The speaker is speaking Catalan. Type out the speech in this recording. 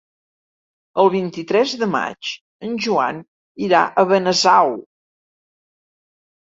El vint-i-tres de maig en Joan irà a Benasau.